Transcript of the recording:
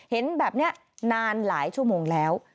เห็นแบบนี้นานหลายชั่วโมงแล้ว